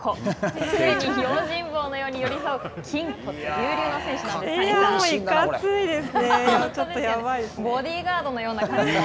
常に用心棒のように寄り添う筋骨隆々の選手なんです。